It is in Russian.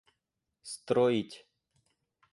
строить